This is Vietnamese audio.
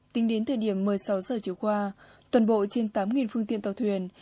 tính đến thời điểm một mươi sáu h chiều qua tuần bộ trên tám phương tiện tàu thuyền